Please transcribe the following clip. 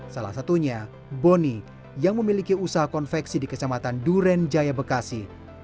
salah satunya boni yang memiliki usaha konveksi di kecamatan durenjaya bekasi